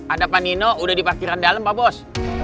ada pak nino udah di parkiran dalem pak bos